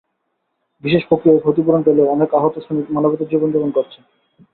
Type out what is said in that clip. বিশেষ প্রক্রিয়ায় ক্ষতিপূরণ পেলেও অনেক আহত শ্রমিক মানবেতর জীবন যাপন করছেন।